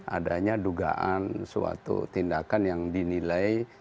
adanya dugaan suatu tindakan yang dinilai